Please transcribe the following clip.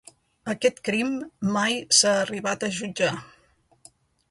Aquest crim mai s'ha arribat a jutjar.